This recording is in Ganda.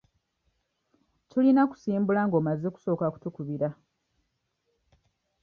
Tulina kusimbula nga omaze kusooka kutukubira.